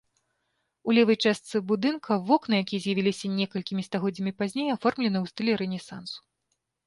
У левай частцы будынка вокны, якія з'явіліся некалькімі стагоддзямі пазней, аформлены ў стылі рэнесансу.